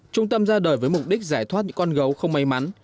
trung tâm ra đời với mục đích giải thoát những con gấu không may mắn